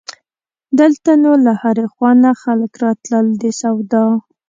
دلته نو له هرې خوا نه خلک راتلل د سودا.